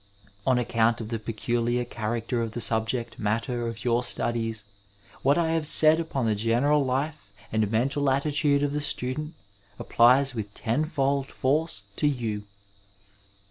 On account of the peculiar character of the subject matter of your studies, what I have said upon the general life and mental attitude of the student applies with tenfold force to you.